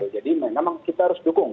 jadi memang kita harus dukung